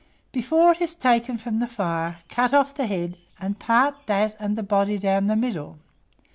Before it is taken from the fire, cut off the head, and part that and the body down the middle.